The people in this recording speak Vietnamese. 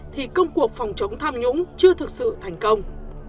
thì công cuộc phòng chống tham nhũng chưa thực sự thành công